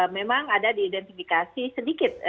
memang ada diidentifikasi sedikit